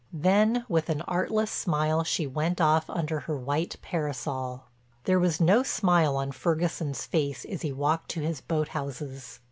Then with an artless smile she went off under her white parasol. There was no smile on Ferguson's face as he walked to his boat houses.